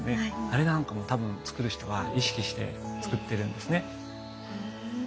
あれなんかも多分造る人は意識して造ってるんですね。